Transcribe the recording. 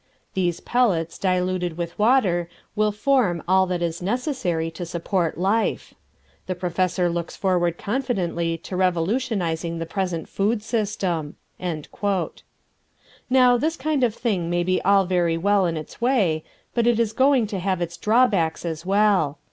These pellets, diluted with water, will form all that is necessary to support life. The professor looks forward confidently to revolutionizing the present food system." Now this kind of thing may be all very well in its way, but it is going to have its drawbacks as well.